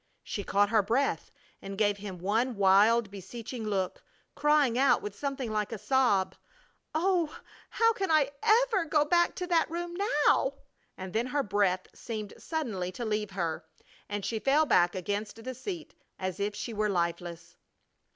She caught her breath and gave him one wild, beseeching look, crying out with something like a sob: "Oh, how can I ever go back to that room now?" And then her breath seemed suddenly to leave her and she fell back against the seat as if she were lifeless.